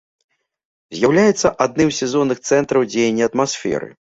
З'яўляецца адным з сезонных цэнтраў дзеяння атмасферы.